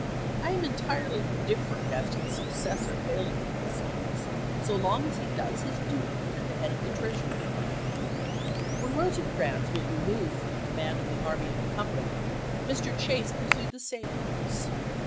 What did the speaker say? I am entirely indifferent as to his success or failm e in these j. h., schemes so long as he does his duty at the head ocfiMsea. of the Treasury Department." When Eosecrans was removed from the com mand of the Army of the Cumberland, Mr. Chase pursued the same course.